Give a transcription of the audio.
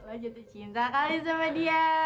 lo jatuh cinta kali sama dia